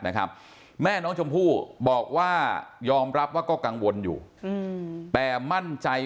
นะครับแม่น้องชมพู่บอกว่ายอมรับว่าก็กังวลอยู่แต่มั่นใจ